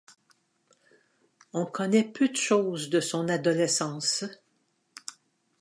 On connaît peu de choses de son adolescence.